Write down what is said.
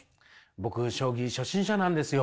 僕将棋初心者なんですよ！